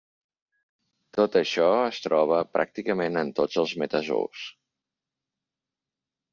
Tot i això, es troba en pràcticament tots els metazous.